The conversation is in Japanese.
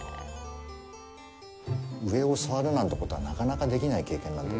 上を触るなんてことは、なかなかできない経験なんで。